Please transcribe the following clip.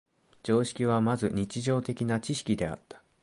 常識はまず日常的な知識であった。